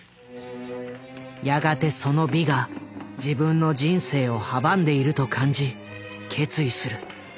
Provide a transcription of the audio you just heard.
やがてその「美」が自分の人生を阻んでいると感じ決意する。